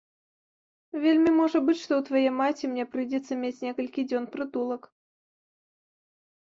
Вельмі можа быць, што ў твае маці мне прыйдзецца мець некалькі дзён прытулак.